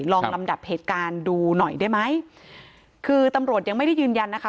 ลองลำดับเหตุการณ์ดูหน่อยได้ไหมคือตำรวจยังไม่ได้ยืนยันนะคะ